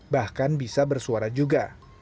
bahkan bisa bersuara juga